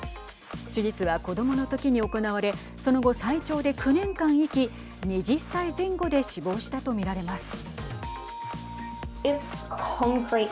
手術は子どもの時に行われその後最長で９年間生き２０歳前後で死亡したと見られます。